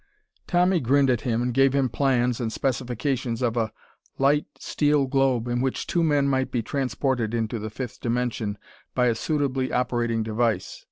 Tommy grinned at him and gave him plans and specifications of a light steel globe in which two men might be transported into the fifth dimension by a suitably operating device.